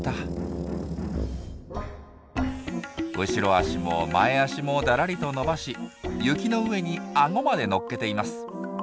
後ろ足も前足もだらりと伸ばし雪の上にアゴまで乗っけています。